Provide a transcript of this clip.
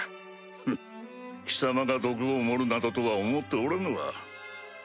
フッ貴様が毒を盛るなどとは思っておらぬわ。